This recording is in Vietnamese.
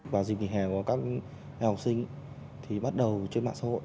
vào dịp nghỉ hè của các học sinh thì bắt đầu trên mạng xã hội